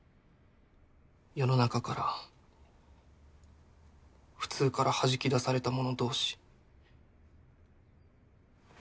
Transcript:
世の中から普通からはじき出された者同士。